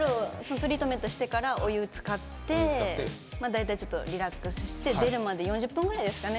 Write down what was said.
トリートメントしてからお湯につかって大体リラックスして出るまで４０分ぐらいですかね。